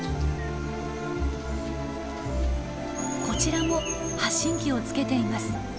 こちらも発信機をつけています。